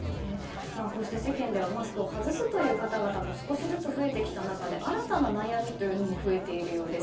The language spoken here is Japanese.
こうして世間ではマスクを外すという方々も少しずつ増えてきた中で新たな悩みも増えているようです。